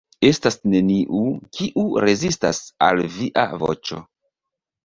Estas neniu, kiu rezistas al Via voĉo.